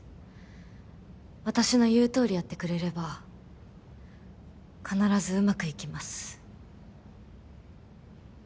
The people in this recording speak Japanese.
私の言う通りやってくれれば必ず上手くいきます。